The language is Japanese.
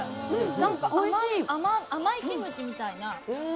何か甘いキムチみたいな。